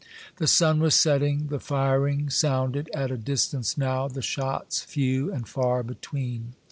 The sun was setting. The firing sounded at a distance now, the shots few and far between.